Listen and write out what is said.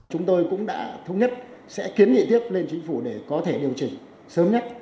chúng tôi cũng đã thống nhất sẽ kiến nghị tiếp lên chính phủ để có thể điều chỉnh sớm nhất